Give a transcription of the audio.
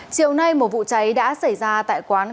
chiều nay một vụ cháy đã xảy ra tại quán carole s